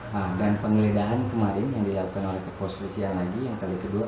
nah dan penggeledahan kemarin yang dilakukan oleh kepolisian lagi yang kali kedua